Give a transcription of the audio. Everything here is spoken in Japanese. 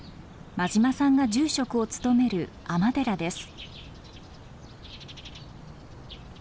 馬島さんが住職を務める尼寺です。